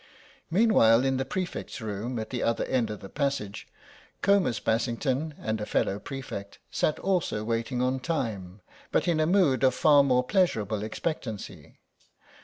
Meanwhile in the prefects' room at the other end of the passage, Comus Bassington and a fellow prefect sat also waiting on time, but in a mood of far more pleasurable expectancy.